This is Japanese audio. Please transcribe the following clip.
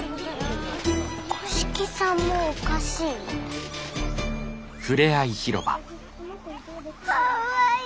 五色さんもおかしい？かわいい。